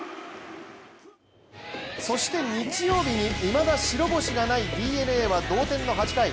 そして日曜日にいまだ白星がないＤｅＮＡは同点の８回。